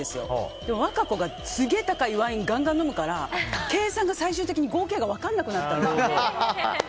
でも、和歌子がすげえ高いワインガンガン飲むから計算が最終的に合計が分からなくなったの。